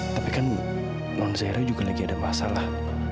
tapi kan non zaira juga lagi ada masalah